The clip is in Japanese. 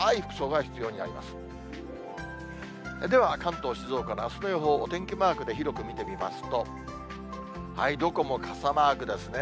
では、関東、静岡のあすの予報、お天気マークで広く見てみますと、どこも傘マークですね。